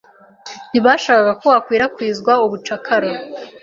Ntibashakaga ko hakwirakwizwa ubucakara.